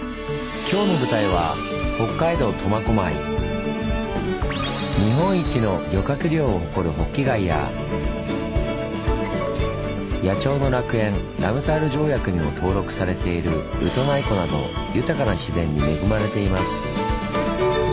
今日の舞台は日本一の漁獲量を誇るホッキ貝や野鳥の楽園ラムサール条約にも登録されているウトナイ湖など豊かな自然に恵まれています。